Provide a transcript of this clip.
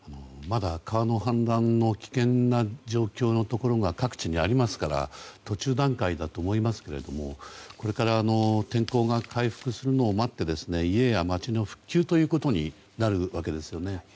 まだ川の氾濫の危険な状況のところが各地にありますから途中段階だと思いますけどこれから天候が回復するのを待って家や町の復旧ということになるわけですよね。